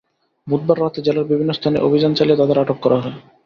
বুধবার রাতে জেলার বিভিন্ন স্থানে অভিযান চালিয়ে তাঁদের আটক করা হয়।